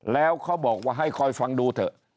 แล้วเขาบอกว่าให้คอยฟังดูเถอะ